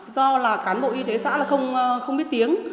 do là cán bộ y tế xã là không biết tiếng